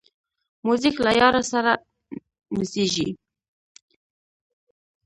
موزیک له یار سره نڅېږي.